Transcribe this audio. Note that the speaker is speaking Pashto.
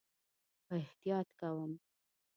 خو احتیاط کوم